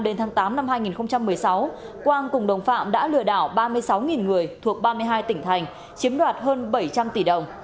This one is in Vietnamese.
đến tháng tám năm hai nghìn một mươi sáu quang cùng đồng phạm đã lừa đảo ba mươi sáu người thuộc ba mươi hai tỉnh thành chiếm đoạt hơn bảy trăm linh tỷ đồng